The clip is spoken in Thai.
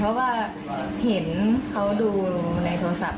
เห็นคอแบบนี่จะรับหละแน่นะครับ